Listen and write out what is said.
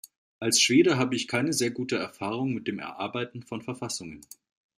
Als Schwede habe ich keine sehr gute Erfahrung mit dem Erarbeiten von Verfassungen.